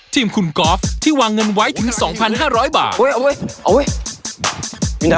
ทีมคุณกอล์ฟที่วางเงินไว้ถึง๒๕๐๐บาทเอาไว้